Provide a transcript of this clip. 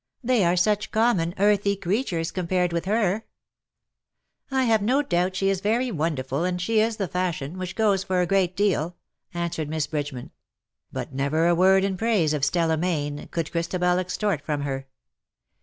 They are such common earthy creatures, compared with her !"^^ I have no doubt she is very wonderful — and she is the fashion, which goes for a great deal," answered Miss Bridgeman ; but never a word in praise of Stella Mayne could Christabel extort from her.